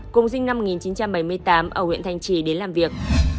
cùng sinh năm một nghìn chín trăm bảy mươi tám ở huyện thanh trì đến làm việc